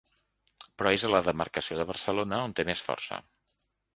Però és a la demarcació de Barcelona on té més força.